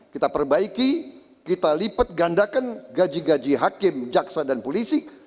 kita perbaiki kita lipat gandakan gaji gaji hakim jaksa dan polisi